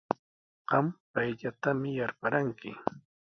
Qam payllatami yarparanki.